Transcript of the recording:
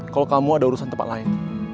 kalau kamu ada urusan tempat lain